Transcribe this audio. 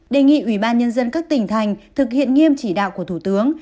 đề nghị ủy ban nhân dân các tỉnh thành thực hiện nghiêm chỉ đạo của thủ tướng